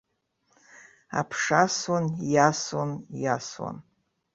Аԥша асуан, иасуан, иасуан.